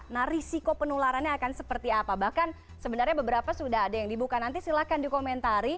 nah risiko penularannya akan seperti apa bahkan sebenarnya beberapa sudah ada yang dibuka nanti silahkan dikomentari